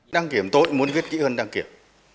đăng kiểm tôi muốn viết kỹ hơn đăng kiểm